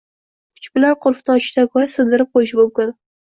Kuch bilan qulfni ochishdan ko‘ra sindirib qo‘yish mumkin.